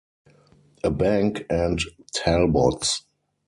A Bank and Talbots.